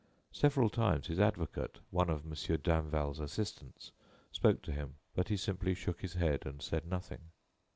Several times his advocate one of Mon. Danval's assistants spoke to him, but he simply shook his head and said nothing.